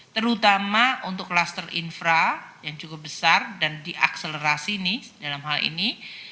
terutama untuk kluster infra yang cukup besar dan diakselerasi nih dalam hal ini